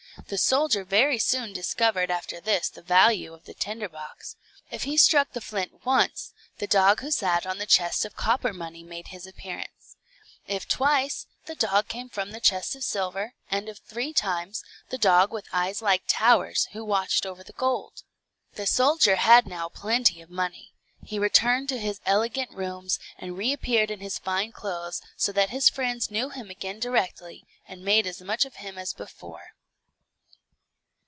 The soldier very soon discovered after this the value of the tinder box. If he struck the flint once, the dog who sat on the chest of copper money made his appearance; if twice, the dog came from the chest of silver; and if three times, the dog with eyes like towers, who watched over the gold. The soldier had now plenty of money; he returned to his elegant rooms, and reappeared in his fine clothes, so that his friends knew him again directly, and made as much of him as before.